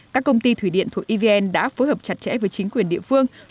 các công ty thủy điện thuộc evn đã phối hợp chặt chẽ với chính quyền địa phương